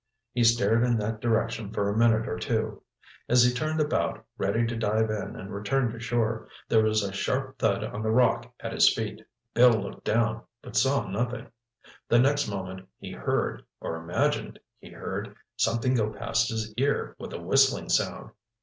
He stared in that direction for a minute or two. As he turned about, ready to dive in and return to shore, there was a sharp thud on the rock at his feet. Bill looked down, but saw nothing—The next moment he heard, or imagined he heard, something go past his ear with a whistling sound.